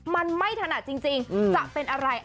มันไม่ถนัดจริงจะเป็นอะไร